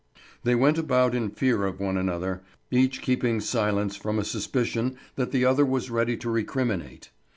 They went about in fear of one another, each keeping silence from a suspicion that the other was ready to recriminate.